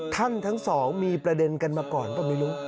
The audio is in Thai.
ท่านทั้งสองมีประเด็นกรรมก่อนหรือเปล่าไม่รู้